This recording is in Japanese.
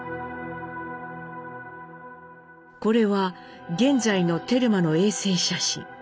これは現在のテルマの衛星写真。